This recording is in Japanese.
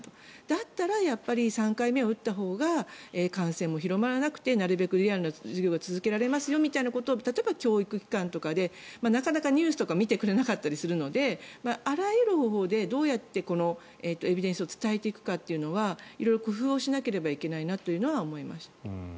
だったら、３回目を打ったほうが感染も広まらなくてなるべくリアルな授業が続けられますみたいなことを例えば、教育機関とかでなかなかニュースとかを見てくれなかったりするのであらゆる方法で、どうやってこのエビデンスを伝えていくかというのは色々工夫をしなければいけないなと思います。